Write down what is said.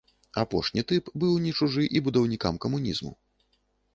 Апошні тып быў не чужы і будаўнікам камунізму.